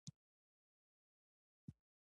د سالنګ نوم له لرغونو کلمو دی